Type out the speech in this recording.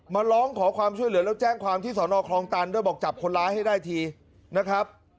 มาร้องขอความช่วยเหลือแล้วแจ้งความที่สอนอคลองตันด้วยบอกจับคนร้ายให้ได้ทีนะครับ